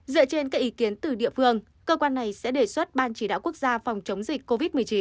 dựa trên các ý kiến từ địa phương cơ quan này sẽ đề xuất ban chỉ đạo quốc gia phòng chống dịch covid một mươi chín